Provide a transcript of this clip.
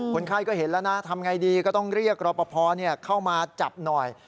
คนไข้ก็เห็นแล้วนะทำไงดีก็ต้องเรียกรอปภเข้ามาจับหน่อย